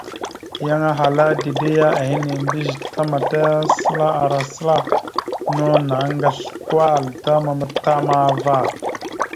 Yan ahala dide ya ehene, mbiyez tamataya səla ara səla, no naŋgasl kwal ta matam ava.